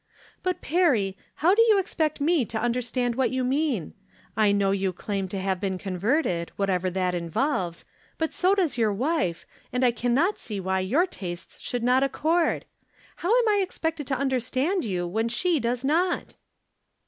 " But, Perry, how do you expect me to under stand what you mean ? I know you claim to have been converted, whatever that involves ; but so does your wife, and I can not see why your tastes should not accord. How am I ex pected to understand you when she does not